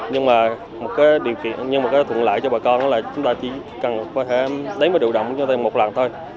nhưng mà một cái điều kiện một cái thuận lợi cho bà con là chúng ta chỉ cần có thể đánh với lưu động chúng ta một lần thôi